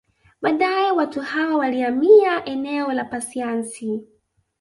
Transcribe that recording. Baadae watu hawa walihamia eneo la Pasiansi